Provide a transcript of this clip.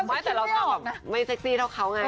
ไม่แต่เราทำแบบไม่เซ็กซี่เท่าเขาไง